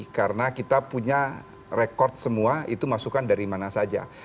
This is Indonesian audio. karena kita punya rekod semua itu masukkan dari mana saja